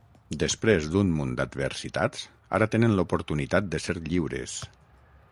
Després d’un munt d’adversitats, ara tenen l’oportunitat de ser lliures.